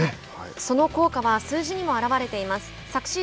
その効果は数字にも表れています。